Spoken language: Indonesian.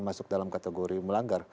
masuk dalam kategori melanggar